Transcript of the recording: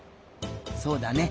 そうだね